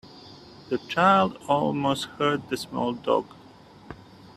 The child almost hurt the small dog.